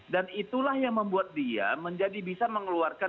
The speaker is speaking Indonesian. dan itulah yang membuat dia menjadi bisa mengeluarkan